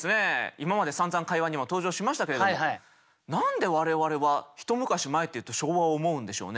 今までさんざん会話にも登場しましたけれども何で我々は一昔前っていうと昭和を思うんでしょうね。